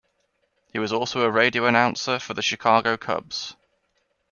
He was also a radio announcer for the Chicago Cubs.